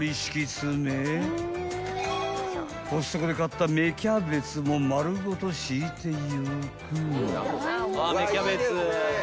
［コストコで買った芽キャベツも丸ごと敷いていく］